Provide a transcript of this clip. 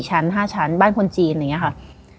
และยินดีต้อนรับทุกท่านเข้าสู่เดือนพฤษภาคมครับ